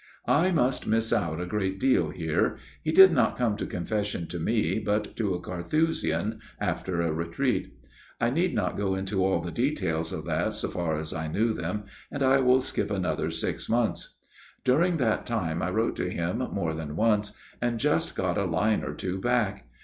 " I must miss out a great deal here. He did not come to confession to me, but to a Carthusian, after a retreat. I need not go into all the details of that so far as I knew them, and I will skip another six months. " During that time I wrote to him more than once, and just got a line or two back.